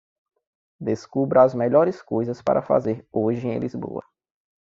Descubra as melhores coisas para fazer hoje em Lisboa.